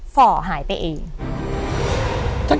ฝ่อหายไปเอง